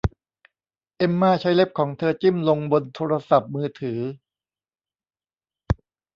เอ็มม่าใช้เล็บของเธอจิ้มลงบนโทรศัพท์มือถือ